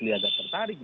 dia agak tertarik